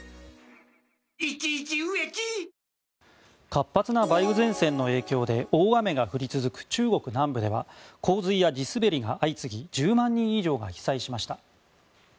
活発な梅雨前線の影響で大雨が降り続く中国南部では洪水や地滑りが相次ぎ１０万人以上が被災しました。